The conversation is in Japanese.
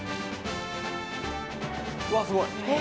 うわっすごい！